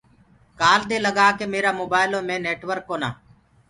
ڪآل دي لگآڪي ميرآ موبآئلو مي نيٽورڪ ڪونآ